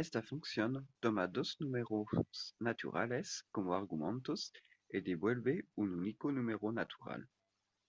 Esta función toma dos números naturales como argumentos y devuelve un único número natural.